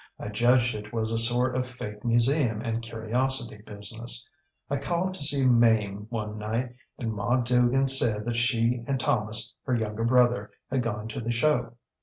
I judged it was a sort of fake museum and curiosity business. I called to see Mame one night, and Ma Dugan said that she and Thomas, her younger brother, had gone to the show.